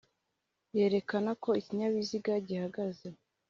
yerekana ko ikinyabiziga gihagaze